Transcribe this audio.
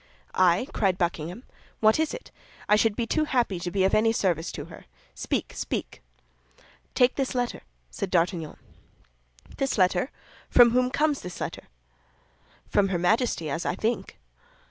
"I!" cried Buckingham. "What is it? I should be too happy to be of any service to her. Speak, speak!" "Take this letter," said D'Artagnan. "This letter! From whom comes this letter?" "From her Majesty, as I think."